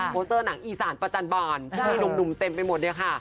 โซเซอร์หนังอีสานประจำบานที่มีหนุ่มเต็มไปหมดเนี่ยค่ะ